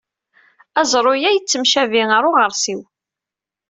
Aẓru-a yettemcabi ar uɣersiw.